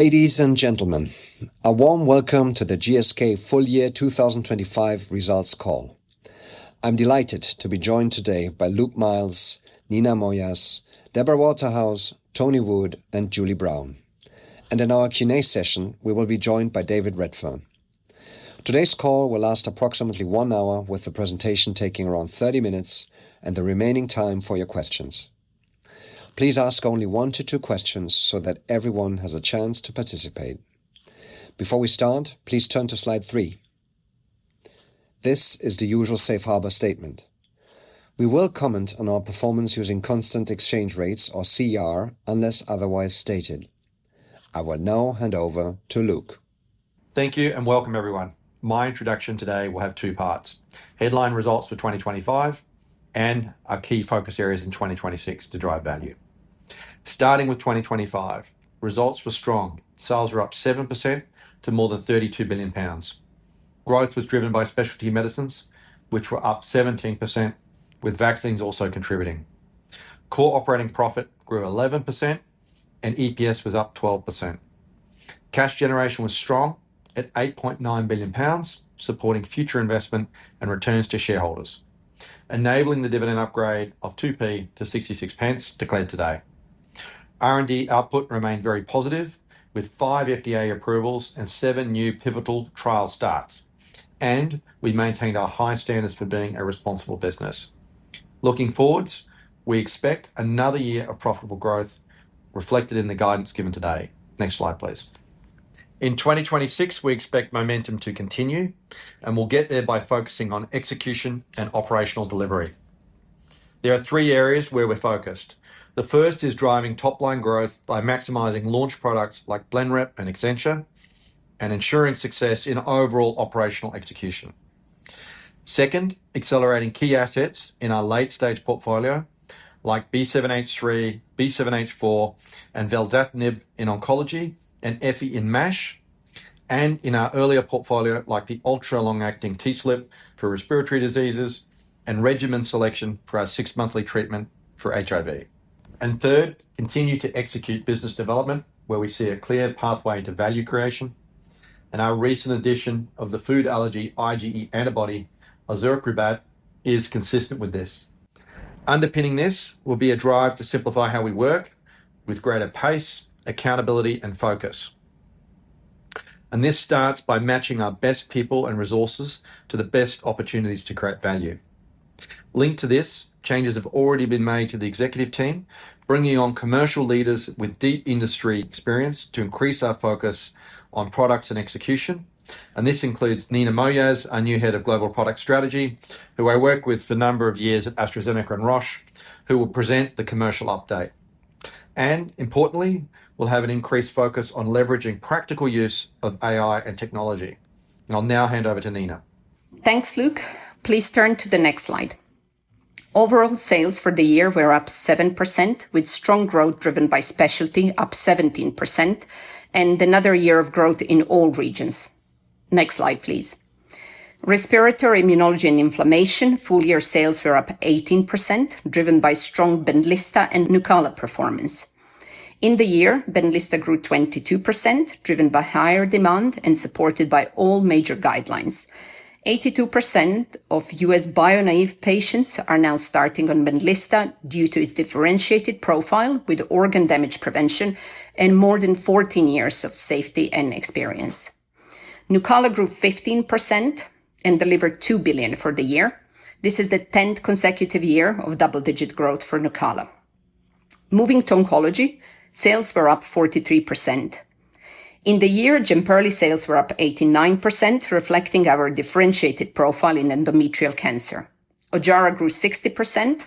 Ladies and gentlemen, a warm welcome to the GSK Full Year 2025 Results Call. I'm delighted to be joined today by Luke Miels, Nina Mojas, Deborah Waterhouse, Tony Wood, and Julie Brown, and in our Q&A session, we will be joined by David Redfern. Today's call will last approximately one hour, with the presentation taking around 30 minutes and the remaining time for your questions. Please ask only one to two questions so that everyone has a chance to participate. Before we start, please turn to slide three. This is the usual safe harbor statement. We will comment on our performance using constant exchange rates or CER, unless otherwise stated. I will now hand over to Luke. Thank you, and welcome, everyone. My introduction today will have two parts: headline results for 2025 and our key focus areas in 2026 to drive value. Starting with 2025, results were strong. Sales were up 7% to more than 32 billion pounds. Growth was driven by Specialty Medicines, which were up 17%, with vaccines also contributing. Core operating profit grew 11%, and EPS was up 12%. Cash generation was strong at 8.9 billion pounds, supporting future investment and returns to shareholders, enabling the dividend upgrade of 2p to 66 pence declared today. R&D output remained very positive, with 5 FDA approvals and 7 new pivotal trial starts, and we maintained our high standards for being a responsible business. Looking forward, we expect another year of profitable growth, reflected in the guidance given today. Next slide, please. In 2026, we expect momentum to continue, and we'll get there by focusing on execution and operational delivery. There are three areas where we're focused. The first is driving top-line growth by maximizing launch products like Blenrep and Extensa, and ensuring success in overall operational execution. Second, accelerating key assets in our late-stage portfolio like B7-H3, B7-H4, and Velsatinib in oncology, and Effi in MASH, and in our earlier portfolio, like the ultra-long-acting TSLP for respiratory diseases and regimen selection for our six-monthly treatment for HIV. Third, continue to execute business development, where we see a clear pathway to value creation, and our recent addition of the food allergy IgE antibody, Ozuriquimab, is consistent with this. Underpinning this will be a drive to simplify how we work with greater pace, accountability, and focus. This starts by matching our best people and resources to the best opportunities to create value. Linked to this, changes have already been made to the executive team, bringing on commercial leaders with deep industry experience to increase our focus on products and execution, and this includes Nina Mojas, our new Head of Global Product Strategy, who I worked with for a number of years at AstraZeneca and Roche, who will present the commercial update. Importantly, we'll have an increased focus on leveraging practical use of AI and technology. I'll now hand over to Nina. Thanks, Luke. Please turn to the next slide. Overall sales for the year were up 7%, with strong growth driven by Specialty, up 17%, and another year of growth in all regions. Next slide, please. Respiratory immunology and inflammation, full-year sales were up 18%, driven by strong Benlysta and Nucala performance. In the year, Benlysta grew 22%, driven by higher demand and supported by all major guidelines. 82% of U.S. bio-naive patients are now starting on Benlysta due to its differentiated profile with organ damage prevention and more than 14 years of safety and experience. Nucala grew 15% and delivered 2 billion for the year. This is the 10th consecutive year of double-digit growth for Nucala. Moving to Oncology, sales were up 43%. In the year, Jemperli sales were up 89%, reflecting our differentiated profile in endometrial cancer. Ojjaara grew 60%,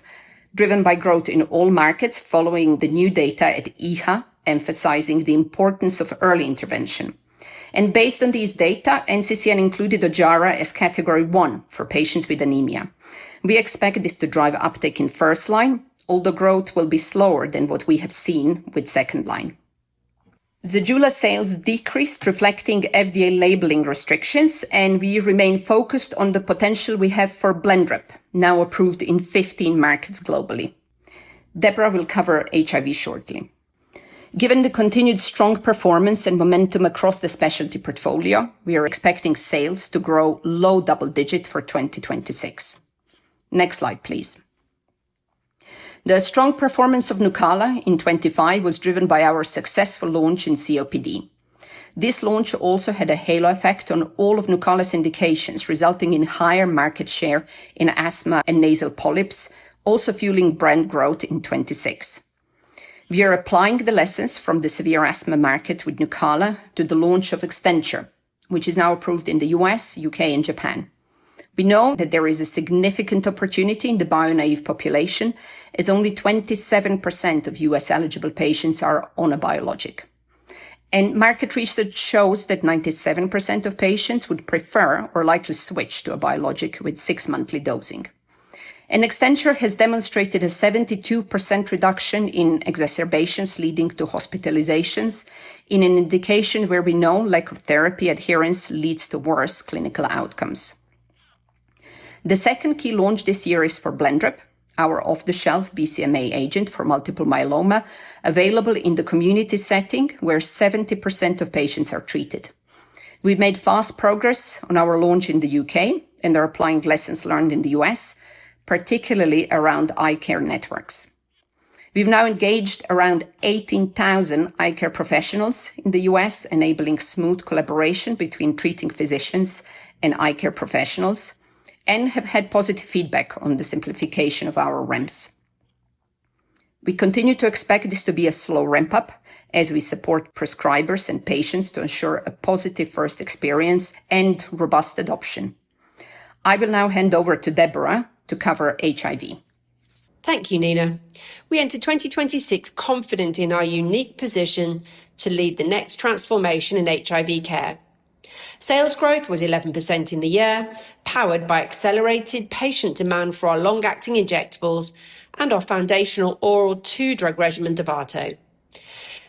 driven by growth in all markets following the new data at EHA, emphasizing the importance of early intervention. Based on these data, NCCN included Ojjaara as Category One for patients with anemia. We expect this to drive uptick in first line, although growth will be slower than what we have seen with second line. Zejula sales decreased, reflecting FDA labeling restrictions, and we remain focused on the potential we have for Blenrep, now approved in 15 markets globally. Deborah will cover HIV shortly. Given the continued strong performance and momentum across the specialty portfolio, we are expecting sales to grow low double-digit for 2026. Next slide, please. The strong performance of Nucala in 2025 was driven by our successful launch in COPD. This launch also had a halo effect on all of Nucala's indications, resulting in higher market share in asthma and nasal polyps, also fueling brand growth in 2026. We are applying the lessons from the severe asthma market with Nucala to the launch of Xtentia, which is now approved in the U.S., U.K., and Japan. We know that there is a significant opportunity in the bio-naive population, as only 27% of U.S.-eligible patients are on a biologic. Market research shows that 97% of patients would prefer or likely switch to a biologic with six-monthly dosing. Xtentia has demonstrated a 72% reduction in exacerbations leading to hospitalizations in an indication where we know lack of therapy adherence leads to worse clinical outcomes.... The second key launch this year is for Blenrep, our off-the-shelf BCMA agent for multiple myeloma, available in the community setting where 70% of patients are treated. We've made fast progress on our launch in the U.K. and are applying lessons learned in the U.S., particularly around eye care networks. We've now engaged around 18,000 eye care professionals in the U.S., enabling smooth collaboration between treating physicians and eye care professionals, and have had positive feedback on the simplification of our ramps. We continue to expect this to be a slow ramp-up as we support prescribers and patients to ensure a positive first experience and robust adoption. I will now hand over to Deborah to cover HIV. Thank you, Nina. We enter 2026 confident in our unique position to lead the next transformation in HIV care. Sales growth was 11% in the year, powered by accelerated patient demand for our long-acting injectables and our foundational oral two-drug regimen, Dovato.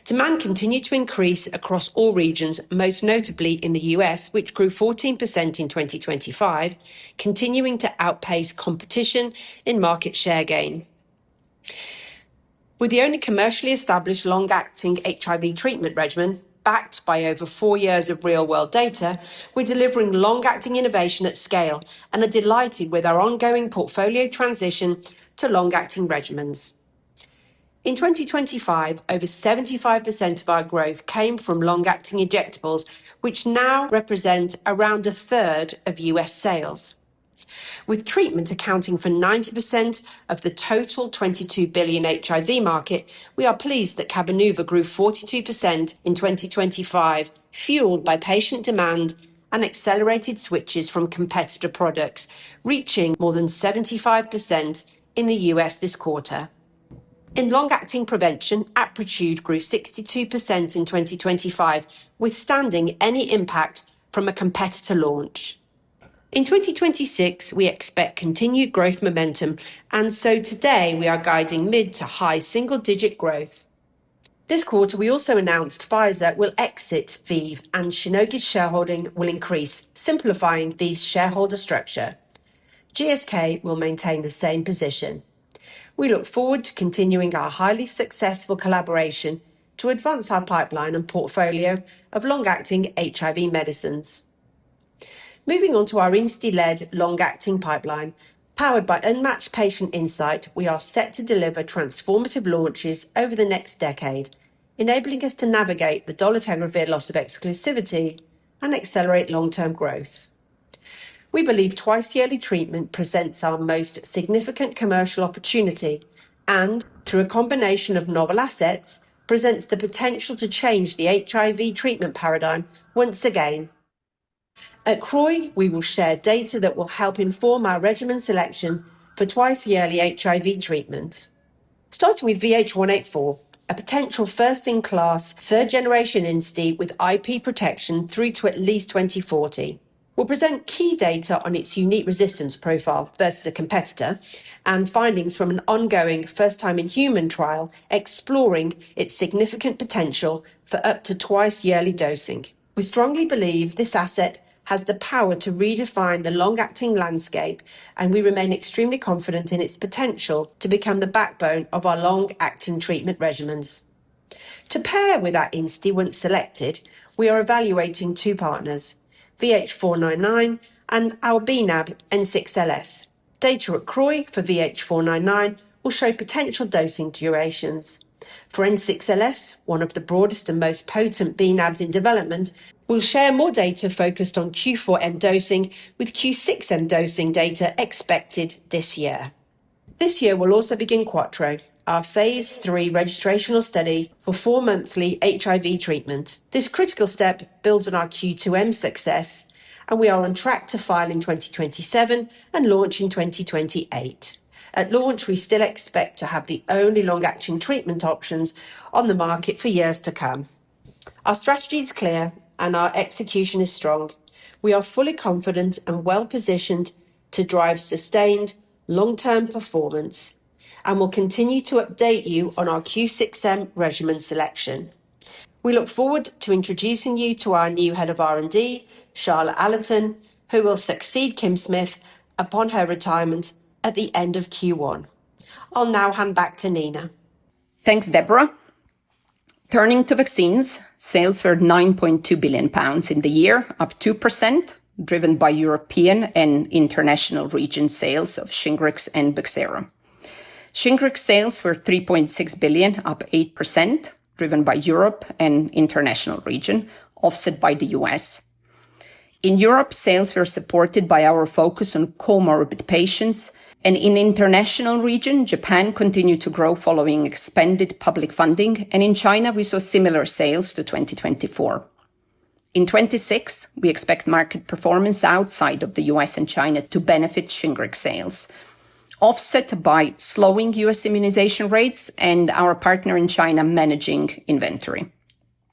Demand continued to increase across all regions, most notably in the U.S., which grew 14% in 2025, continuing to outpace competition in market share gain. We're the only commercially established long-acting HIV treatment regimen, backed by over 4 years of real-world data. We're delivering long-acting innovation at scale and are delighted with our ongoing portfolio transition to long-acting regimens. In 2025, over 75% of our growth came from long-acting injectables, which now represent around a third of U.S. sales. With treatment accounting for 90% of the total $22 billion HIV market, we are pleased that Cabenuva grew 42% in 2025, fueled by patient demand and accelerated switches from competitor products, reaching more than 75% in the US this quarter. In long-acting prevention, Apretude grew 62% in 2025, withstanding any impact from a competitor launch. In 2026, we expect continued growth momentum, and so today, we are guiding mid- to high single-digit growth. This quarter, we also announced Pfizer will exit ViiV, and Shionogi's shareholding will increase, simplifying the shareholder structure. GSK will maintain the same position. We look forward to continuing our highly successful collaboration to advance our pipeline and portfolio of long-acting HIV medicines. Moving on to our INSTI-led long-acting pipeline, powered by unmatched patient insight, we are set to deliver transformative launches over the next decade, enabling us to navigate the Dolutegravir loss of exclusivity and accelerate long-term growth. We believe twice-yearly treatment presents our most significant commercial opportunity and, through a combination of novel assets, presents the potential to change the HIV treatment paradigm once again. At CROI, we will share data that will help inform our regimen selection for twice-yearly HIV treatment. Starting with VH184, a potential first-in-class, third-generation INSTI with IP protection through to at least 2040. We'll present key data on its unique resistance profile versus a competitor and findings from an ongoing first-time-in-human trial, exploring its significant potential for up to twice-yearly dosing. We strongly believe this asset has the power to redefine the long-acting landscape, and we remain extremely confident in its potential to become the backbone of our long-acting treatment regimens. To pair with our INSTI once selected, we are evaluating two partners, VH499 and our bNAb, N6LS. Data at CROI for VH499 will show potential dosing durations. For N6LS, one of the broadest and most potent bNAbs in development, we'll share more data focused on Q4M dosing, with Q6M dosing data expected this year. This year, we'll also begin Quattro, our phase III registrational study for four-monthly HIV treatment. This critical step builds on our Q2M success, and we are on track to file in 2027 and launch in 2028. At launch, we still expect to have the only long-acting treatment options on the market for years to come. Our strategy is clear, and our execution is strong. We are fully confident and well-positioned to drive sustained long-term performance, and we'll continue to update you on our Q6M regimen selection. We look forward to introducing you to our new head of R&D, Charlotte Allerton, who will succeed Kim Smith upon her retirement at the end of Q1. I'll now hand back to Nina. Thanks, Deborah. Turning to vaccines, sales were 9.2 billion pounds in the year, up 2%, driven by European and international region sales of Shingrix and Bexsero. Shingrix sales were 3.6 billion, up 8%, driven by Europe and international region, offset by the US. In Europe, sales were supported by our focus on comorbid patients, and in international region, Japan continued to grow following expanded public funding, and in China, we saw similar sales to 2024. In 2026, we expect market performance outside of the US and China to benefit Shingrix sales, offset by slowing US immunization rates and our partner in China managing inventory.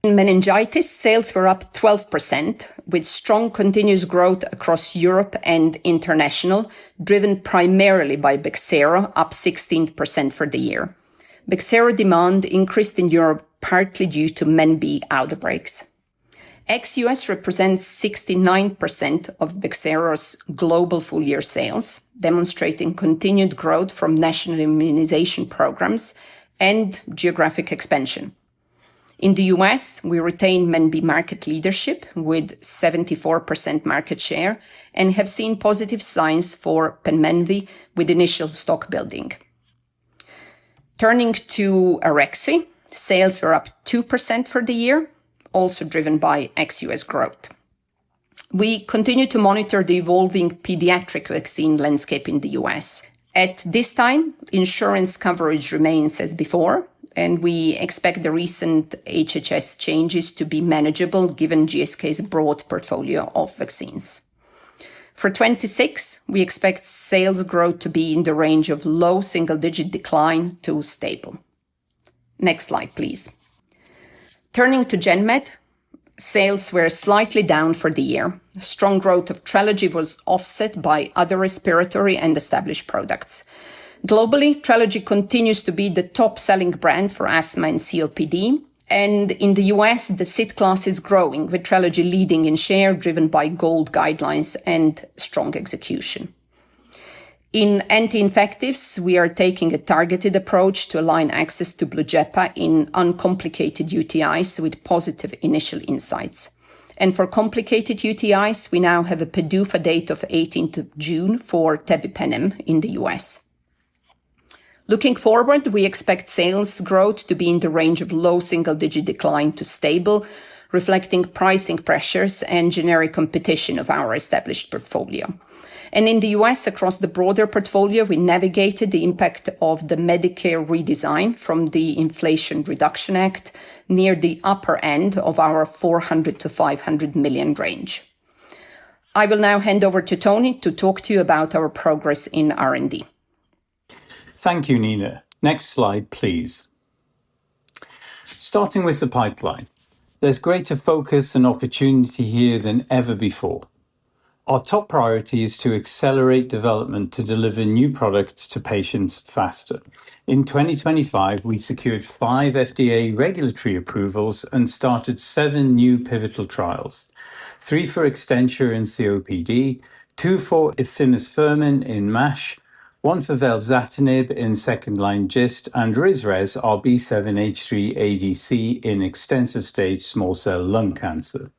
In meningitis, sales were up 12%, with strong continuous growth across Europe and international, driven primarily by Bexsero, up 16% for the year. Bexsero demand increased in Europe, partly due to MenB outbreaks. Ex-US represents 69% of Bexsero's global full-year sales, demonstrating continued growth from national immunization programs and geographic expansion. In the US, we retain MenB market leadership with 74% market share and have seen positive signs for Pentavalent with initial stock building. Turning to Arexvy, sales were up 2% for the year, also driven by ex-US growth. We continue to monitor the evolving pediatric vaccine landscape in the US. At this time, insurance coverage remains as before, and we expect the recent HHS changes to be manageable, given GSK's broad portfolio of vaccines. For 2026, we expect sales growth to be in the range of low single-digit decline to stable. Next slide, please. Turning to GenMed, sales were slightly down for the year. Strong growth of Trelegy was offset by other respiratory and established products. Globally, Trelegy continues to be the top-selling brand for asthma and COPD, and in the U.S., the ICS class is growing, with Trelegy leading in share driven by GOLD guidelines and strong execution. In anti-infectives, we are taking a targeted approach to align access to Blujepa in uncomplicated UTIs with positive initial insights. For complicated UTIs, we now have a PDUFA date of 18th of June for tebipenem in the U.S. Looking forward, we expect sales growth to be in the range of low single-digit decline to stable, reflecting pricing pressures and generic competition of our established portfolio. In the U.S., across the broader portfolio, we navigated the impact of the Medicare redesign from the Inflation Reduction Act near the upper end of our $400 million to $500 million range. I will now hand over to Tony to talk to you about our progress in R&D. Thank you, Nina. Next slide, please. Starting with the pipeline, there's greater focus and opportunity here than ever before. Our top priority is to accelerate development to deliver new products to patients faster. In 2025, we secured 5 FDA regulatory approvals and started 7 new pivotal trials: 3 for Extensa in COPD, 2 for efimostirmen in MASH, 1 for velsatinib in second-line GIST, and Risres, our B7-H3 ADC, in extensive stage small cell lung cancer.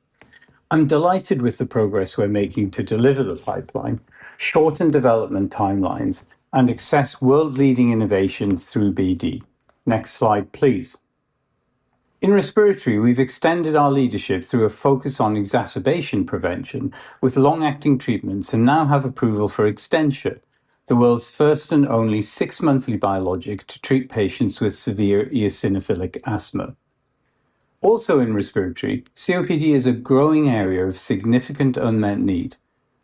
I'm delighted with the progress we're making to deliver the pipeline, shorten development timelines, and access world-leading innovation through BD. Next slide, please. In respiratory, we've extended our leadership through a focus on exacerbation prevention with long-acting treatments and now have approval for Extensa, the world's first and only six-monthly biologic to treat patients with severe eosinophilic asthma. Also in respiratory, COPD is a growing area of significant unmet need.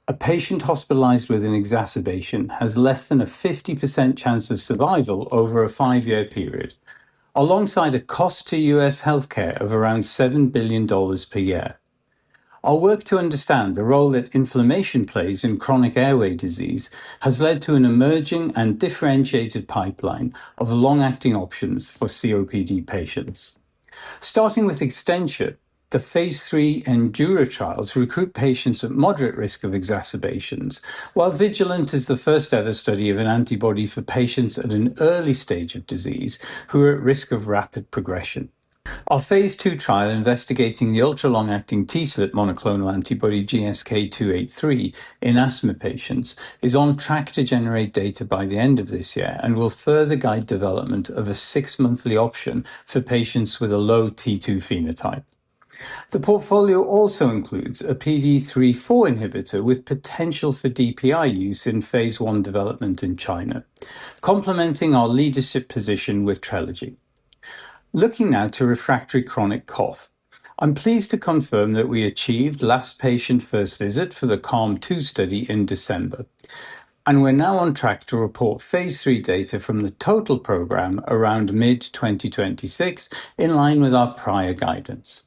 A patient hospitalized with an exacerbation has less than a 50% chance of survival over a five-year period, alongside a cost to US healthcare of around $7 billion per year. Our work to understand the role that inflammation plays in chronic airway disease has led to an emerging and differentiated pipeline of long-acting options for COPD patients. Starting with Extensa, the phase III ENDURA trials recruit patients at moderate risk of exacerbations, while VIGILANT is the first-ever study of an antibody for patients at an early stage of disease who are at risk of rapid progression. Our phase II trial, investigating the ultra-long-acting T cell monoclonal antibody GSK 283 in asthma patients, is on track to generate data by the end of this year and will further guide development of a six-monthly option for patients with a low T2 phenotype. The portfolio also includes a PDE3/4 inhibitor with potential for DPI use in phase I development in China, complementing our leadership position with Trelegy. Looking now to refractory chronic cough. I'm pleased to confirm that we achieved last patient first visit for the CALM-2 study in December, and we're now on track to report phase III data from the total program around mid-2026, in line with our prior guidance.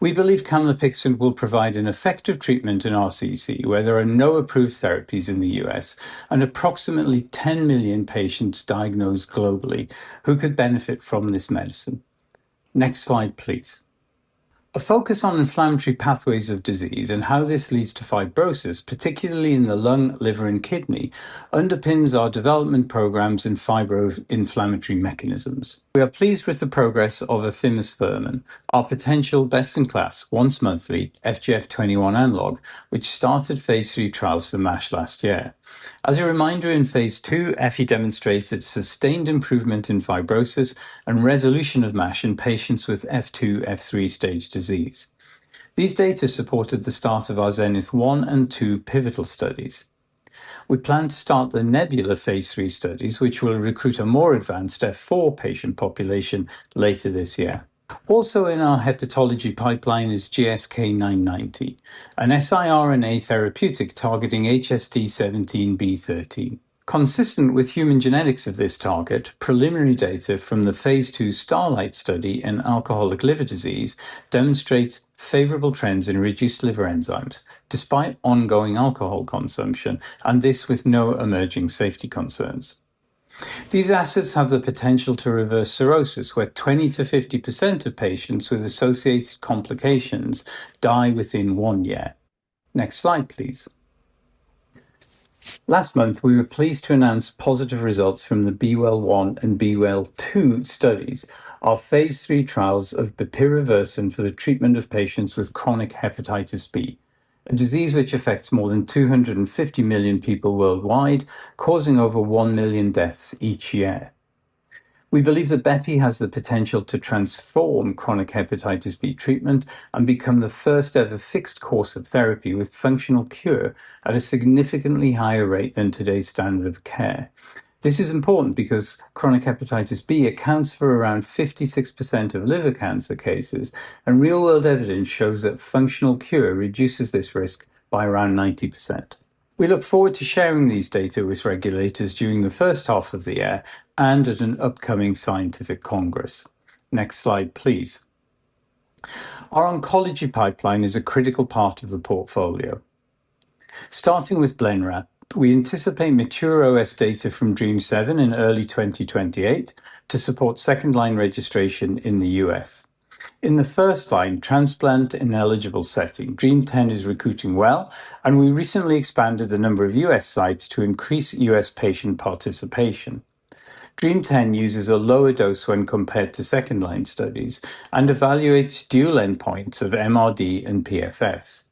We believe Camlipixant will provide an effective treatment in RCC, where there are no approved therapies in the U.S. and approximately 10 million patients diagnosed globally who could benefit from this medicine. Next slide, please. A focus on inflammatory pathways of disease and how this leads to fibrosis, particularly in the lung, liver, and kidney, underpins our development programs in fibroinflammatory mechanisms. We are pleased with the progress of efimostirmen, our potential best-in-class, once-monthly FGF21 analog, which started phase III trials for MASH last year. As a reminder, in phase II, EFI demonstrated sustained improvement in fibrosis and resolution of MASH in patients with F2, F3 stage disease. These data supported the start of our ZENITH One and Two pivotal studies. We plan to start the NEBULA phase III studies, which will recruit a more advanced F4 patient population later this year. Also in our hepatology pipeline is GSK 990, an siRNA therapeutic targeting HSD17B13. Consistent with human genetics of this target, preliminary data from the phase II STARLIGHT study in alcoholic liver disease demonstrates favorable trends in reduced liver enzymes, despite ongoing alcohol consumption, and this with no emerging safety concerns. These assets have the potential to reverse cirrhosis, where 20%-50% of patients with associated complications die within one year. Next slide, please. Last month, we were pleased to announce positive results from the BEWELL One and BEWELL Two studies, our phase III trials of bepirovirsen for the treatment of patients with chronic hepatitis B, a disease which affects more than 250 million people worldwide, causing over 1 million deaths each year. We believe that BEPI has the potential to transform chronic hepatitis B treatment and become the first-ever fixed course of therapy with functional cure at a significantly higher rate than today's standard of care. This is important because chronic hepatitis B accounts for around 56% of liver cancer cases, and real-world evidence shows that functional cure reduces this risk by around 90%. We look forward to sharing these data with regulators during the first half of the year and at an upcoming scientific congress. Next slide, please. Our oncology pipeline is a critical part of the portfolio. Starting with Blenrep, we anticipate mature OS data from DREAMM-7 in early 2028 to support second-line registration in the U.S. In the first-line transplant-ineligible setting, DREAMM-10 is recruiting well, and we recently expanded the number of U.S. sites to increase U.S. patient participation. DREAMM-10 uses a lower dose when compared to second-line studies and evaluates dual endpoints of MRD and PFS.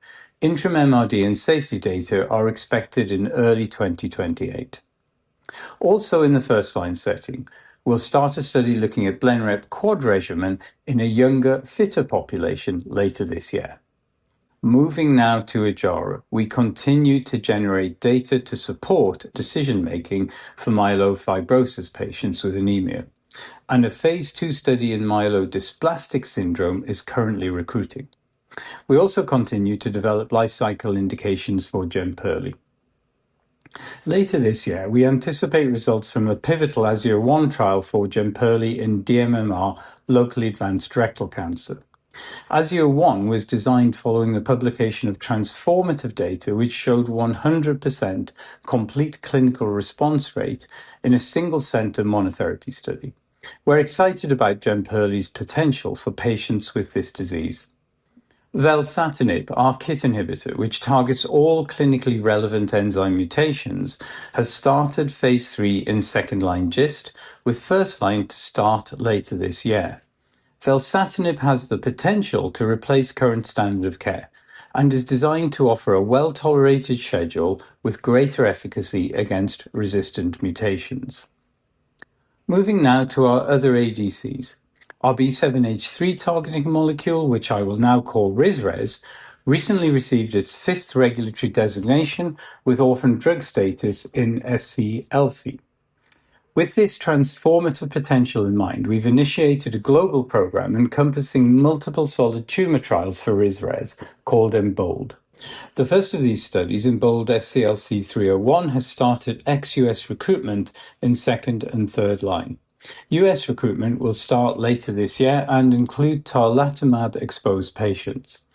Interim MRD and safety data are expected in early 2028. Also, in the first-line setting, we'll start a study looking at Blenrep quad regimen in a younger, fitter population later this year. Moving now to Ojjaara. We continue to generate data to support decision-making for myelofibrosis patients with anemia, and a phase II study in myelodysplastic syndrome is currently recruiting. We also continue to develop lifecycle indications for Jemperli. Later this year, we anticipate results from a pivotal AZUR-1 trial for Jemperli in dMMR locally advanced rectal cancer. AZUR-1 was designed following the publication of transformative data, which showed 100% complete clinical response rate in a single-center monotherapy study. We're excited about Jemperli's potential for patients with this disease. Velsatinib, our KIT inhibitor, which targets all clinically relevant enzyme mutations, has started phase III in second-line GIST, with first-line to start later this year. Velsatinib has the potential to replace current standard of care and is designed to offer a well-tolerated schedule with greater efficacy against resistant mutations. Moving now to our other ADCs. Our B7-H3 targeting molecule, which I will now call Risres, recently received its fifth regulatory designation with orphan drug status in SCLC. With this transformative potential in mind, we've initiated a global program encompassing multiple solid tumor trials for Risres, called EMBOLD. The first of these studies, EMBOLD SCLC 301, has started ex-US recruitment in second and third line. US recruitment will start later this year and include tarlatamab-exposed patients.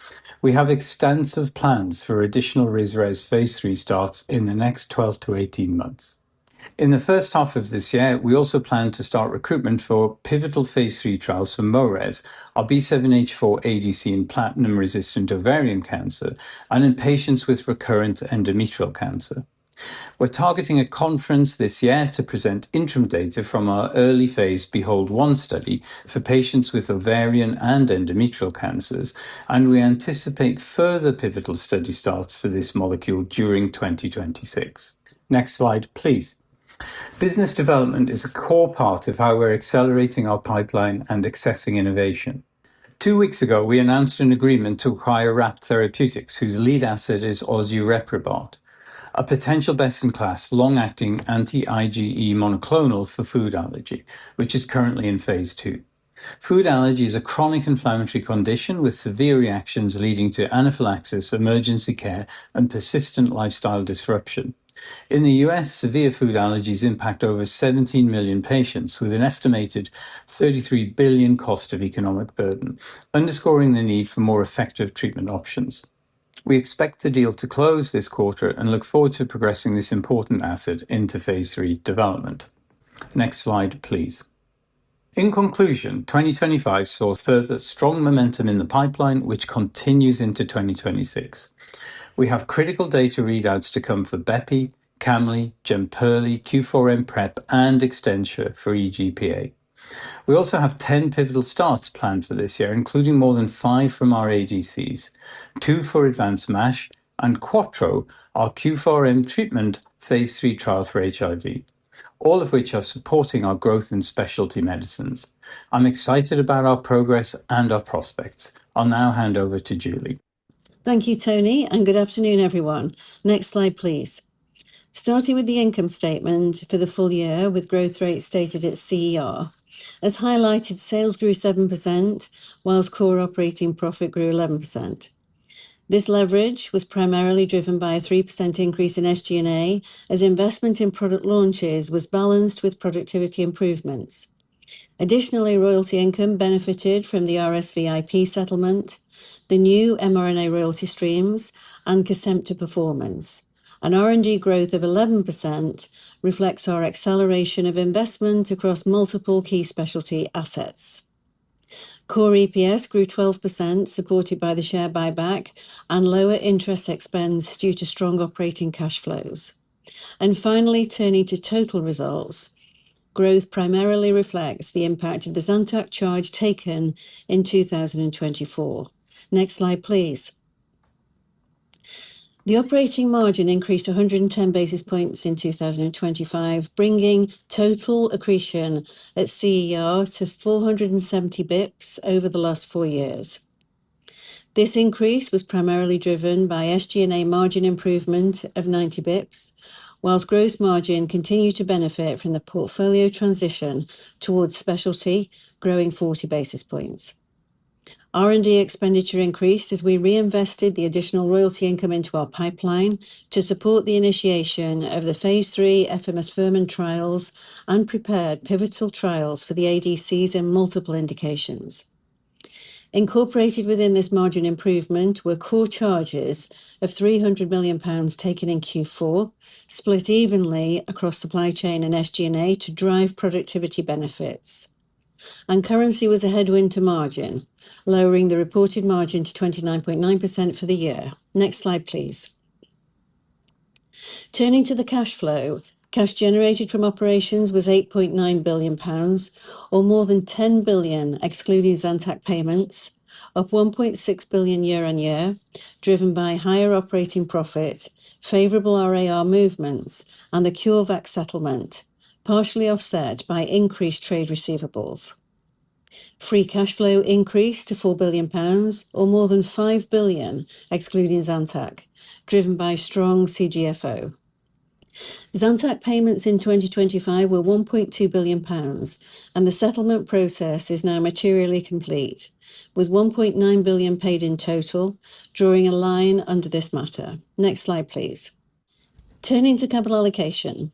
We have extensive plans for additional Risres phase III starts in the next 12-18 months. In the first half of this year, we also plan to start recruitment for pivotal phase III trials for MoRes, our B7-H4 ADC in platinum-resistant ovarian cancer and in patients with recurrent endometrial cancer. We're targeting a conference this year to present interim data from our early phase BEHOLD One study for patients with ovarian and endometrial cancers, and we anticipate further pivotal study starts for this molecule during 2026. Next slide, please. Business development is a core part of how we're accelerating our pipeline and accessing innovation. Two weeks ago, we announced an agreement to acquire RAPT Therapeutics, whose lead asset is Ozuriquimab, a potential best-in-class, long-acting, anti-IgE monoclonal for food allergy, which is currently in phase II. Food allergy is a chronic inflammatory condition with severe reactions leading to anaphylaxis, emergency care, and persistent lifestyle disruption. In the U.S., severe food allergies impact over 17 million patients, with an estimated $33 billion cost of economic burden, underscoring the need for more effective treatment options. We expect the deal to close this quarter and look forward to progressing this important asset into phase III development. Next slide, please. In conclusion, 2025 saw further strong momentum in the pipeline, which continues into 2026. We have critical data readouts to come for BEPI, Camlipixant, Jemperli, Q4M PrEP, and Extensa for EGPA. We also have 10 pivotal starts planned for this year, including more than 5 from our ADCs, 2 for advanced MASH, and QUATRO, our Q4M treatment phase III trial for HIV, all of which are supporting our growth in specialty medicines. I'm excited about our progress and our prospects. I'll now hand over to Julie. Thank you, Tony, and good afternoon, everyone. Next slide, please. Starting with the income statement for the full year, with growth rate stated at CER. As highlighted, sales grew 7%, while core operating profit grew 11%. This leverage was primarily driven by a 3% increase in SG&A, as investment in product launches was balanced with productivity improvements. Additionally, royalty income benefited from the RSV IP settlement, the new mRNA royalty streams, and Kesimpta performance. R&D growth of 11% reflects our acceleration of investment across multiple key specialty assets. Core EPS grew 12%, supported by the share buyback and lower interest expense due to strong operating cash flows. Finally, turning to total results, growth primarily reflects the impact of the Zantac charge taken in 2024. Next slide, please. The operating margin increased 110 basis points in 2025, bringing total accretion at CER to 470 basis points over the last four years. This increase was primarily driven by SG&A margin improvement of 90 basis points, while gross margin continued to benefit from the portfolio transition towards specialty, growing 40 basis points. R&D expenditure increased as we reinvested the additional royalty income into our pipeline to support the initiation of the phase III Efimostirmen trials and prepared pivotal trials for the ADCs in multiple indications. Incorporated within this margin improvement were core charges of 300 million pounds taken in Q4, split evenly across supply chain and SG&A to drive productivity benefits. Currency was a headwind to margin, lowering the reported margin to 29.9% for the year. Next slide, please. Turning to the cash flow. Cash generated from operations was 8.9 billion pounds, or more than 10 billion, excluding Zantac payments, up 1.6 billion year-on-year, driven by higher operating profit, favorable RAR movements, and the CureVac settlement, partially offset by increased trade receivables. Free cash flow increased to 4 billion pounds, or more than 5 billion, excluding Zantac, driven by strong CGFO. Zantac payments in 2025 were 1.2 billion pounds, and the settlement process is now materially complete, with 1.9 billion paid in total, drawing a line under this matter. Next slide, please. Turning to capital allocation.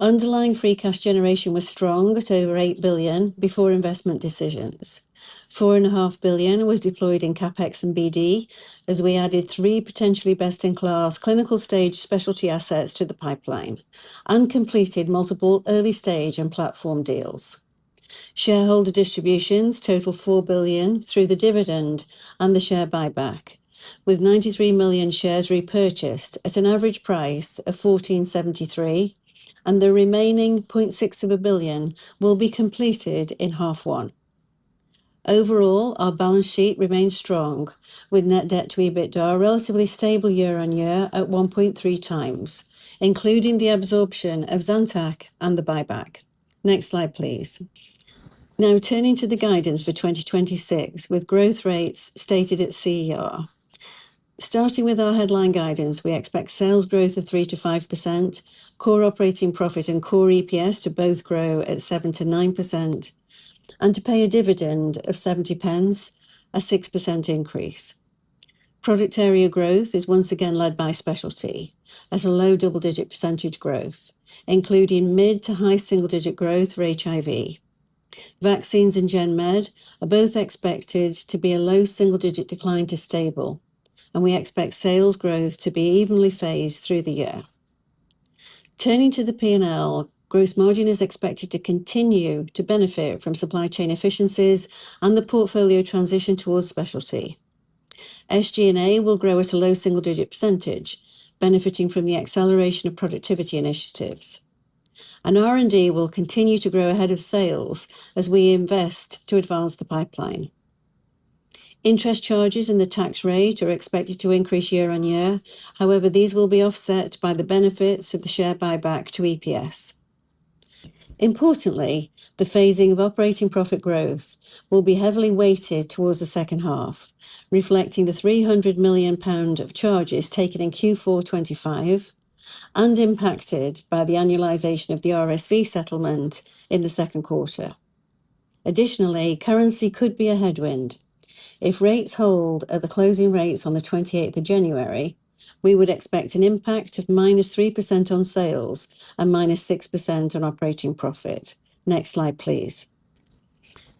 Underlying free cash generation was strong at over 8 billion before investment decisions. 4.5 billion was deployed in CapEx and BD, as we added three potentially best-in-class clinical stage specialty assets to the pipeline and completed multiple early-stage and platform deals. Shareholder distributions totaled 4 billion through the dividend and the share buyback, with 93 million shares repurchased at an average price of 1,473, and the remaining 0.6 billion will be completed in half one. Overall, our balance sheet remains strong, with net debt to EBITDA relatively stable year-on-year at 1.3 times, including the absorption of Zantac and the buyback. Next slide, please. Now, turning to the guidance for 2026, with growth rates stated at CER. Starting with our headline guidance, we expect sales growth of 3%-5%, core operating profit and core EPS to both grow at 7%-9% and to pay a dividend of 0.70, a 6% increase. Product area growth is once again led by specialty at a low double-digit percentage growth, including mid to high single-digit growth for HIV. Vaccines and Gen Med are both expected to be a low single-digit decline to stable, and we expect sales growth to be evenly phased through the year. Turning to the P&L, gross margin is expected to continue to benefit from supply chain efficiencies and the portfolio transition towards specialty. SG&A will grow at a low single-digit percentage, benefiting from the acceleration of productivity initiatives. And R&D will continue to grow ahead of sales as we invest to advance the pipeline. Interest charges and the tax rate are expected to increase year-on-year. However, these will be offset by the benefits of the share buyback to EPS. Importantly, the phasing of operating profit growth will be heavily weighted towards the second half, reflecting the 300 million pound of charges taken in Q4 2025 and impacted by the annualization of the RSV settlement in the second quarter. Additionally, currency could be a headwind. If rates hold at the closing rates on the 28th of January, we would expect an impact of -3% on sales and -6% on operating profit. Next slide, please.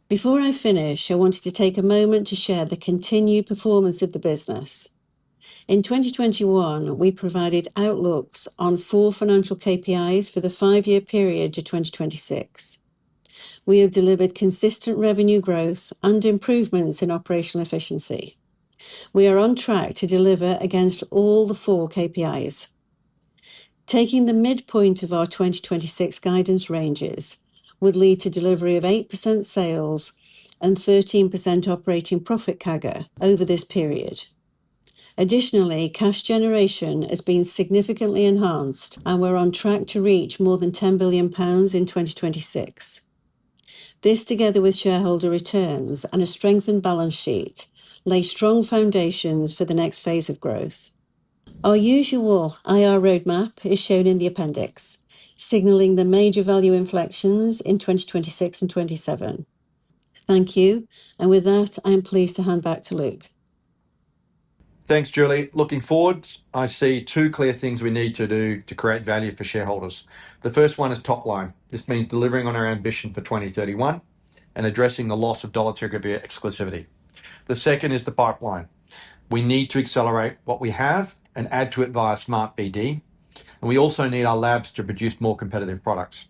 Before I finish, I wanted to take a moment to share the continued performance of the business. In 2021, we provided outlooks on four financial KPIs for the five-year period to 2026. We have delivered consistent revenue growth and improvements in operational efficiency. We are on track to deliver against all the four KPIs. Taking the midpoint of our 2026 guidance ranges would lead to delivery of 8% sales and 13% operating profit CAGR over this period. Additionally, cash generation has been significantly enhanced, and we're on track to reach more than 10 billion pounds in 2026. This, together with shareholder returns and a strengthened balance sheet, lay strong foundations for the next phase of growth. Our usual IR roadmap is shown in the appendix, signaling the major value inflections in 2026 and 2027. Thank you. And with that, I am pleased to hand back to Luke. Thanks, Julie. Looking forward, I see two clear things we need to do to create value for shareholders. The first one is top line. This means delivering on our ambition for 2031 and addressing the loss of dolutegravir exclusivity. The second is the pipeline. We need to accelerate what we have and add to it via smart BD, and we also need our labs to produce more competitive products.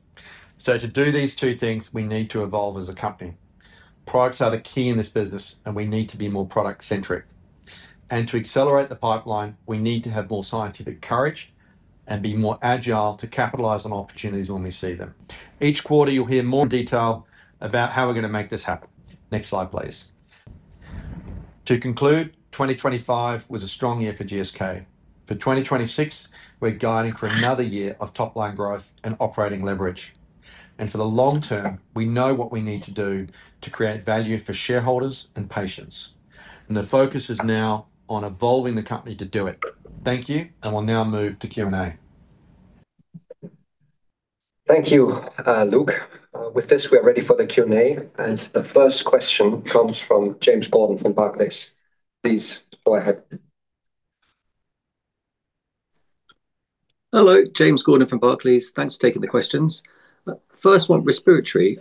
So to do these two things, we need to evolve as a company. Products are the key in this business, and we need to be more product-centric. And to accelerate the pipeline, we need to have more scientific courage and be more agile to capitalize on opportunities when we see them. Each quarter, you'll hear more detail about how we're going to make this happen. Next slide, please. To conclude, 2025 was a strong year for GSK. For 2026, we're guiding for another year of top-line growth and operating leverage, and for the long term, we know what we need to do to create value for shareholders and patients, and the focus is now on evolving the company to do it. Thank you, and we'll now move to Q&A. Thank you, Luke. With this, we are ready for the Q&A, and the first question comes from James Gordon from Barclays. Please go ahead. Hello, James Gordon from Barclays. Thanks for taking the questions. First one, respiratory.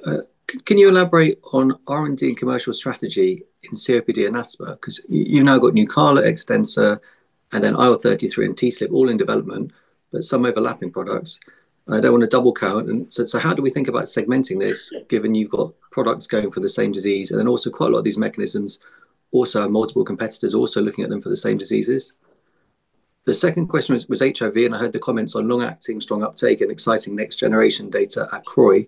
Can you elaborate on R&D commercial strategy in COPD and asthma? 'Cause you've now got Nucala, Extensa, and then IL-33 and TSLP all in development, but some overlapping products, and I don't want to double count. And so how do we think about segmenting this, given you've got products going for the same disease and then also quite a lot of these mechanisms also have multiple competitors also looking at them for the same diseases? The second question was HIV, and I heard the comments on long-acting, strong uptake and exciting next-generation data at CROI.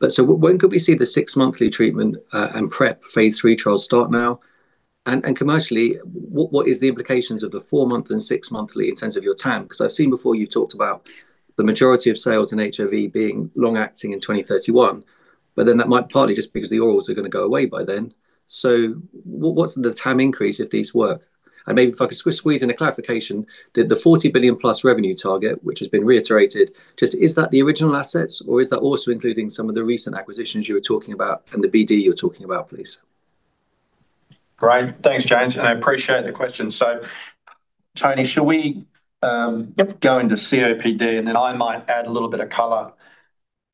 But so when could we see the six-monthly treatment, and PrEP phase III trials start now? And, commercially, what is the implications of the four-month and six-monthly in terms of your TAM? Because I've seen before, you've talked about the majority of sales in HIV being long acting in 2031, but then that might partly just because the orals are going to go away by then. So what's the TAM increase if these work? And maybe if I could squeeze in a clarification, did the 40 billion+ revenue target, which has been reiterated, just is that the original assets, or is that also including some of the recent acquisitions you were talking about and the BD you're talking about, please? Great. Thanks, James, and I appreciate the question. So, Tony, should we? Yep Go into COPD, and then I might add a little bit of color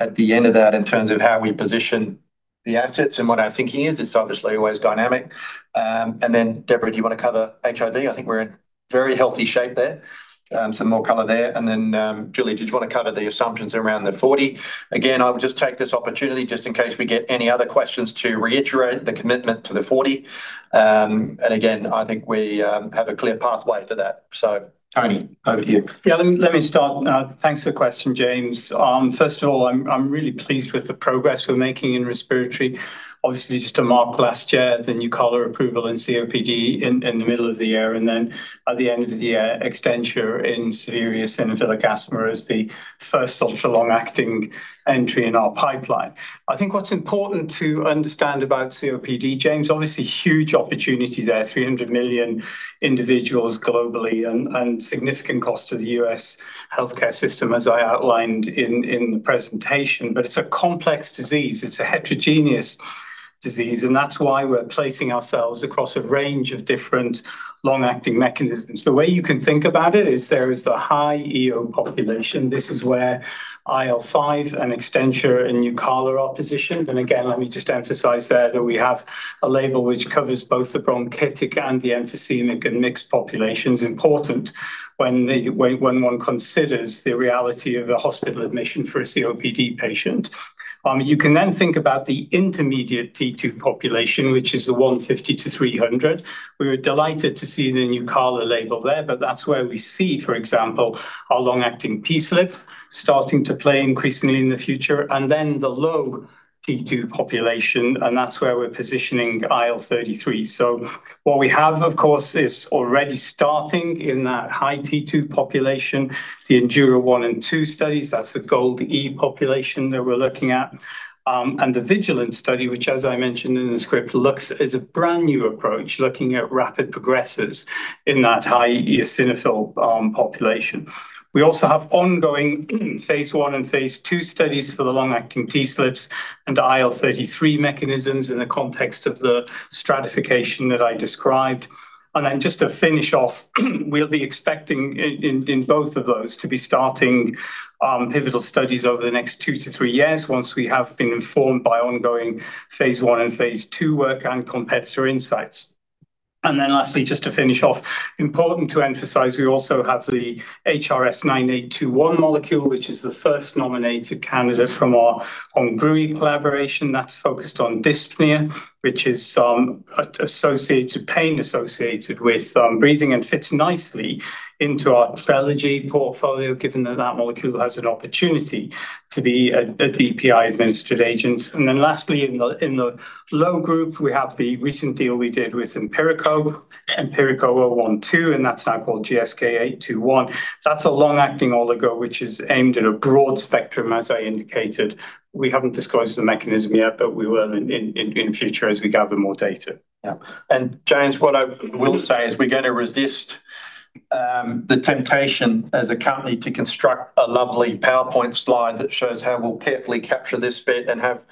at the end of that in terms of how we position the assets and what our thinking is. It's obviously always dynamic. And then, Deborah, do you want to cover HIV? I think we're in very healthy shape there, some more color there. And then, Julie, did you want to cover the assumptions around the 40? Again, I would just take this opportunity, just in case we get any other questions, to reiterate the commitment to the 40. And again, I think we have a clear pathway to that. So Tony, over to you. Yeah, let me, let me start. Thanks for the question, James. First of all, I'm really pleased with the progress we're making in respiratory. Obviously, just to mark last year, the Nucala approval in COPD in the middle of the year, and then at the end of the year, Extensa in severe eosinophilic asthma as the first ultra long-acting entry in our pipeline. I think what's important to understand about COPD, James, obviously, huge opportunity there, 300 million individuals globally and significant cost to the U.S. healthcare system, as I outlined in the presentation. But it's a complex disease, it's a heterogeneous disease, and that's why we're placing ourselves across a range of different long-acting mechanisms. The way you can think about it is there is the high EO population. This is where IL-5 and Extensa and Nucala are positioned. And again, let me just emphasize there that we have a label which covers both the bronchiectasis and the emphysemic and mixed populations. Important when one considers the reality of a hospital admission for a COPD patient. You can then think about the intermediate T2 population, which is the 150-300. We were delighted to see the Nucala label there, but that's where we see, for example, our long-acting TSLP starting to play increasingly in the future, and then the low T2 population, and that's where we're positioning IL-33. So what we have, of course, is already starting in that high T2 population, the ENDURA 1 and 2 studies. That's the GOLD E population that we're looking at. And the VIGILANT study, which, as I mentioned in the script, looks as a brand-new approach, looking at rapid progressers in that high eosinophil population. We also have ongoing phase I and phase II studies for the long-acting TSLPs and IL-33 mechanisms in the context of the stratification that I described. And then just to finish off, we'll be expecting in, in, in both of those to be starting pivotal studies over the next two to three years, once we have been informed by ongoing phase I and phase II work and competitor insights. And then lastly, just to finish off, important to emphasize, we also have the HRS-9821 molecule, which is the first nominated candidate from our Hengrui collaboration. That's focused on dyspnea, which is associated pain associated with breathing, and fits nicely into our respiratory portfolio, given that that molecule has an opportunity to be a DPI-administered agent. Then lastly, in the lung group, we have the recent deal we did with Empirico, Empirico 012, and that's now called GSK821. That's a long-acting oligo, which is aimed at a broad spectrum, as I indicated. We haven't disclosed the mechanism yet, but we will in future as we gather more data. Yeah. And James, what I will say is we're going to resist the temptation as a company to construct a lovely PowerPoint slide that shows how we'll carefully capture this bit and have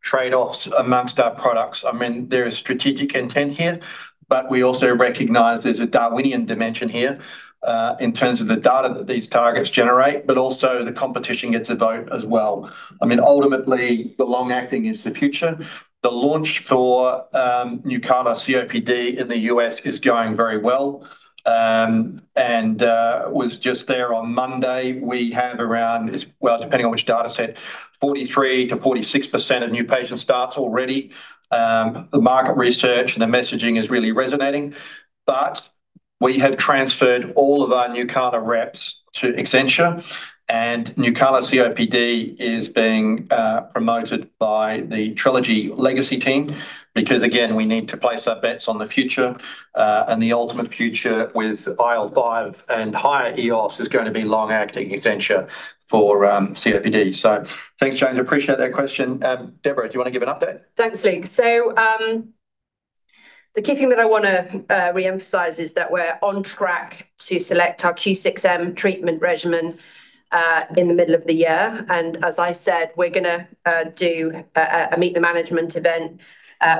trade-offs amongst our products. I mean, there is strategic intent here, but we also recognize there's a Darwinian dimension here, in terms of the data that these targets generate, but also the competition gets a vote as well. I mean, ultimately, the long-acting is the future. The launch for Nucala COPD in the U.S. is going very well, and was just there on Monday. We have around well, depending on which dataset, 43%-46% of new patient starts already. The market research and the messaging is really resonating, but we have transferred all of our Nucala reps to Extensa, and Nucala COPD is being promoted by the Trelegy legacy team. Because, again, we need to place our bets on the future, and the ultimate future with IL-5 and higher EOS is gonna be long-acting Extensa for COPD. So thanks, James, I appreciate that question. Deborah, do you want to give an update? Thanks, Luke. So, the key thing that I wanna re-emphasize is that we're on track to select our Q6M treatment regimen in the middle of the year. And as I said, we're gonna do a meet the management event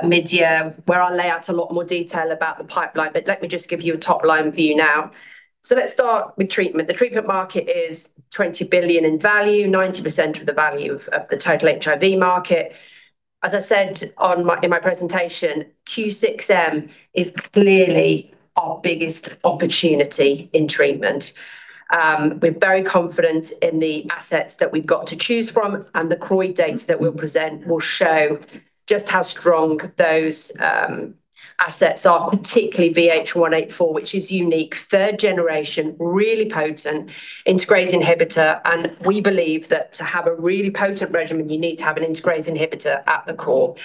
mid-year, where I'll lay out a lot more detail about the pipeline. But let me just give you a top-line view now. So let's start with treatment. The treatment market is $20 billion in value, 90% of the value of the total HIV market. As I said in my presentation, Q6M is clearly our biggest opportunity in treatment. We're very confident in the assets that we've got to choose from, and the Croyde data that we'll present will show just how strong those assets are, particularly VH184, which is unique. Third generation, really potent integrase inhibitor, and we believe that to have a really potent regimen, you need to have an integrase inhibitor at the core.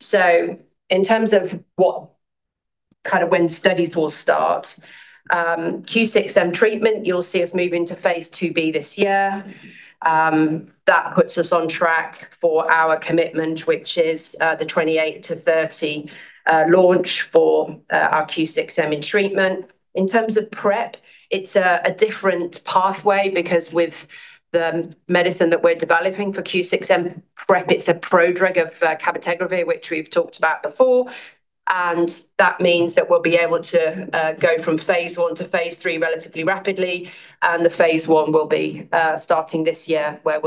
So in terms of what kind of when studies will start, Q6M treatment, you'll see us move into phase IIb this year. That puts us on track for our commitment, which is, the 28-30, launch for, our Q6M in treatment. In terms of PrEP, it's a, a different pathway because with the medicine that we're developing for Q6M PrEP, it's a pro-drug of cabotegravir, which we've talked about before, and that means that we'll be able to, go from phase I to phase III relatively rapidly. And the phase one will be starting this year, where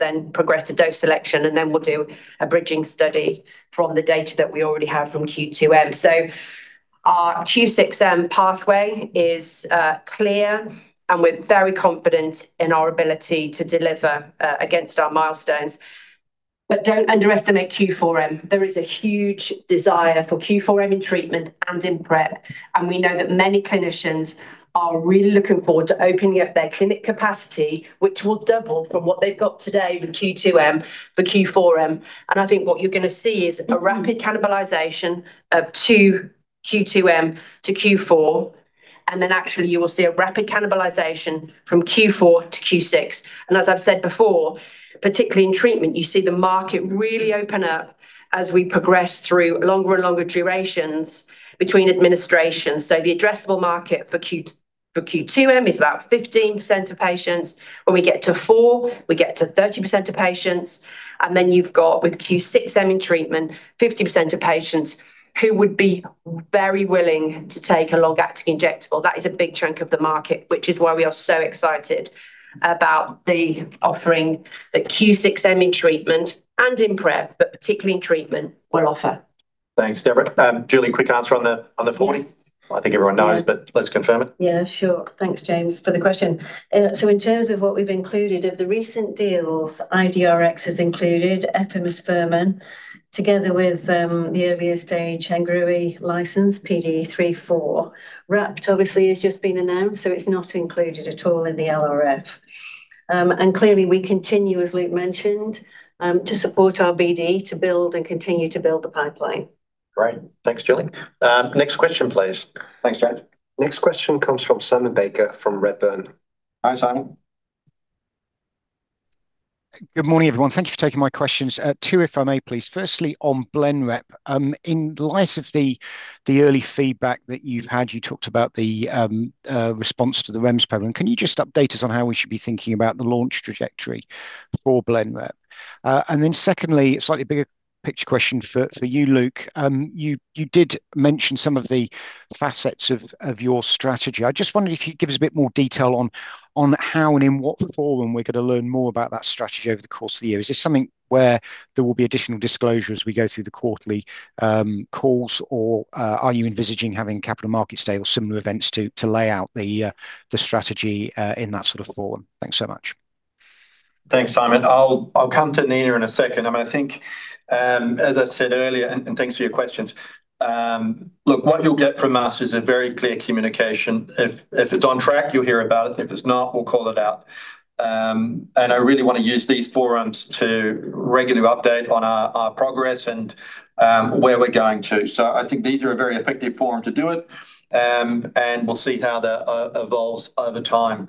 we'll then progress to dose selection, and then we'll do a bridging study from the data that we already have from Q2M. So our Q6M pathway is clear, and we're very confident in our ability to deliver against our milestones. But don't underestimate Q4M. There is a huge desire for Q4M in treatment and in PrEP, and we know that many clinicians are really looking forward to opening up their clinic capacity, which will double from what they've got today with Q2M, for Q4M. And I think what you're gonna see is a rapid cannibalization of 2 Q2M to Q4, and then actually you will see a rapid cannibalization from Q4 to Q6. As I've said before, particularly in treatment, you see the market really open up as we progress through longer and longer durations between administrations. So the addressable market for Q2m is about 15% of patients. When we get to four, we get to 30% of patients, and then you've got, with Q6m in treatment, 50% of patients who would be very willing to take a long-acting injectable. That is a big chunk of the market, which is why we are so excited about the offering that Q6m in treatment and in PrEP, but particularly in treatment, will offer. Thanks, Deborah. Julie, quick answer on the 40. I think everyone knows- Yeah. But let's confirm it. Yeah, sure. Thanks, James, for the question. So in terms of what we've included, of the recent deals, IDRx has included Efimostirmen, together with the earlier stage Hengrui license, PDE3/4. Rapt, obviously, has just been announced, so it's not included at all in the LRF. And clearly, we continue, as Luke mentioned, to support our BD, to build and continue to build the pipeline. Great. Thanks, Julie. Next question, please. Thanks, James. Next question comes from Simon Baker, from Redburn. Hi, Simon. Good morning, everyone. Thank you for taking my questions. Two, if I may, please. Firstly, on Blenrep, in light of the early feedback that you've had, you talked about the response to the REMS program. Can you just update us on how we should be thinking about the launch trajectory for Blenrep? And then secondly, a slightly bigger picture question for you, Luke. You did mention some of the facets of your strategy. I just wondered if you'd give us a bit more detail on how and in what form we're gonna learn more about that strategy over the course of the year. Is this something where there will be additional disclosure as we go through the quarterly calls, or are you envisaging having capital markets day or similar events to lay out the strategy in that sort of form? Thanks so much. Thanks, Simon. I'll come to Nina in a second. I mean, I think, as I said earlier, and thanks for your questions. Look, what you'll get from us is a very clear communication. If it's on track, you'll hear about it. If it's not, we'll call it out. And I really want to use these forums to regularly update on our progress and where we're going to. So I think these are a very effective forum to do it. And we'll see how that evolves over time.